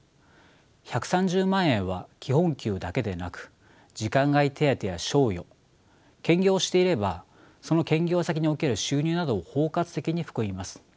１３０万円は基本給だけでなく時間外手当や賞与兼業をしていればその兼業先における収入などを包括的に含みます。